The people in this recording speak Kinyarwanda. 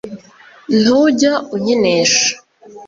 Ntujya unkinisha